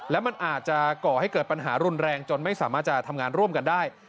และมันอาจจะก่อให้เกิดปัญหารุนแรงจนไม่สามารถจะทำงานร่วมกันได้